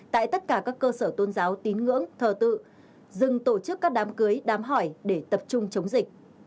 tại tất cả các cơ sở tôn giáo tín ngưỡng thờ tự dừng tổ chức các đám cưới đám hỏi để tập trung chống dịch